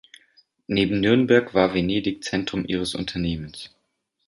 Neben Nürnberg war Venedig Zentrum ihres Unternehmens.